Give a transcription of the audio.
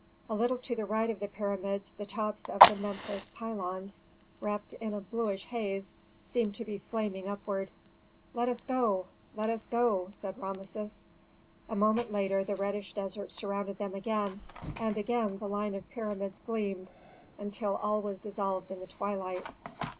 A little to the right of the pyramids the tops of the Memphis pylons, wrapped in a bluish haze, seemed to be flaming upward. "Let us go; let us go!" said Rameses. A moment later the reddish desert surrounded them again, and again the line of pyramids gleamed until all was dissolved in the twilight.